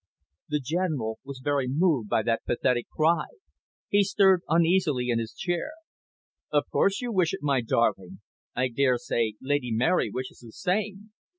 The General was very moved by that pathetic cry. He stirred uneasily in his chair. "Of course you wish it, my darling. I daresay Lady Mary wishes the same.